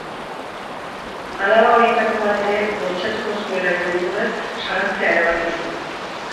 Alaba horietako bat ere bortxatuko zuelaren beldurrez, salatzea erabaki zuen.